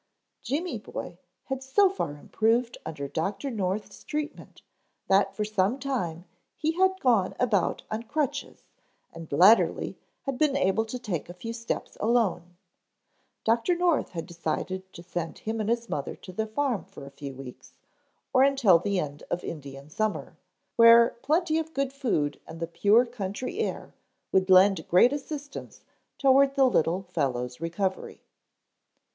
Jimmy boy had so far improved under Dr. North's treatment that for some time he had gone about on crutches and latterly had been able to take a few steps alone. Dr. North had decided to send him and his mother to the farm for a few weeks, or until the end of Indian Summer, where plenty of good food and the pure country air would lend great assistance toward the little fellow's recovery.